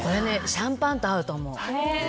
シャンパンと合うと思う。